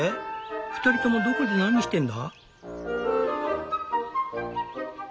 ２人ともどこで何してんだ？」。